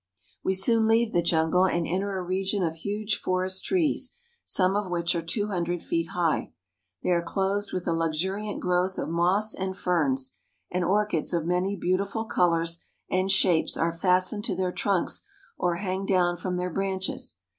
We soon leave the jungle and enter a region of huge forest trees, some of which are two hundred feet high. They are clothed with a luxuriant growth of moss and ferns; and orchids of many beautiful colors and shapes are fas tened to their trunks or hang down from their branches.